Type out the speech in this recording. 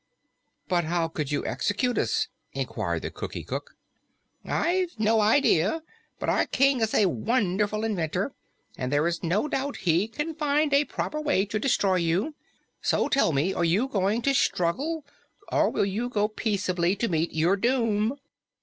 "But how could you execute us?" inquired the Cookie Cook. "I've no idea. But our King is a wonderful inventor, and there is no doubt he can find a proper way to destroy you. So tell me, are you going to struggle, or will you go peaceably to meet your doom?"